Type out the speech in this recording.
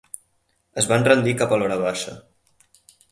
Es van rendir cap a l'horabaixa.